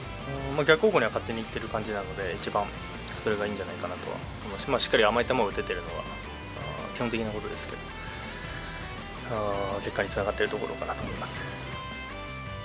逆方向にはいってる感じなので、一番それがいいんじゃないかなとは思うし、しっかり甘い球を打てているのは、基本的なことですけど、結果につながってるところかなと思います。